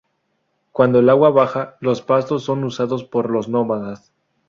Cuando el agua baja, los pastos son usados por los nómadas.